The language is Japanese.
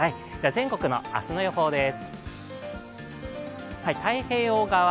全国の明日の予報です。